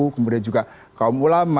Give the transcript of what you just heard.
kemudian juga kaum ulama